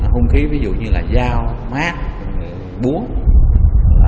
không khí ví dụ như là dao mát búa